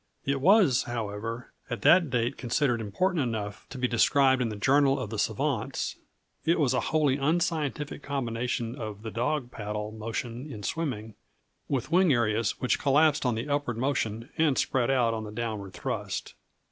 It was, however, at that date considered important enough to be described in the Journal of the Savants. It was a wholly unscientific combination of the "dog paddle" motion in swimming, with wing areas which collapsed on the upward motion and spread out on the downward thrust.